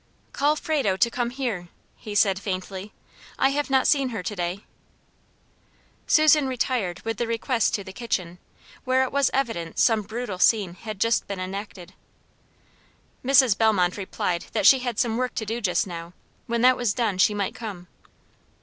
"Call Frado to come here," he said faintly, "I have not seen her to day." Susan retired with the request to the kitchen, where it was evident some brutal scene had just been enacted. Mrs. Bellmont replied that she had "some work to do just now; when that was done, she might come."